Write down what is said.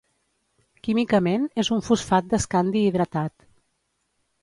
Químicament és un fosfat d'escandi hidratat.